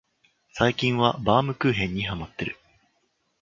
最近はバウムクーヘンにハマってる